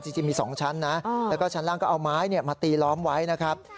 จริงมี๒ชั้นนะแล้วก็ชั้นล่างก็เอาไม้มาตีล้อมไว้นะครับ